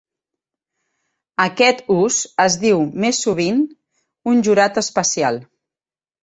Aquest ús es diu més sovint un jurat especial.